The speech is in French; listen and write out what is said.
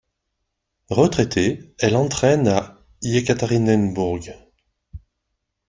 Retraitée, elle entraîne à Iekaterinbourg.